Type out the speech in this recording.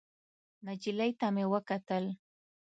نجلۍ ته مې وکتل.